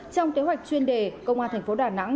trong kế hoạch chuyên đề công an thành phố đà nẵng